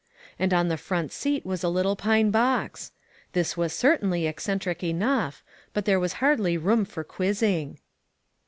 And on the front seat was a little pine box I This was certainly eccentric enough, but there was hardly room for quizzing